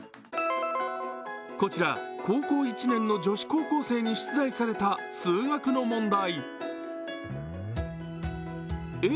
こちら高校１年の女子高校生に出題された数学の問題。